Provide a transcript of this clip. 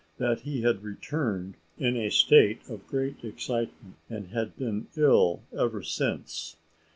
That he had returned in a state of great excitement, and had been ill ever since.